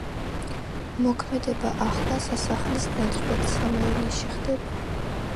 მოქმედება ახლა სასახლის ნაცვლად სამორინეში ხდება.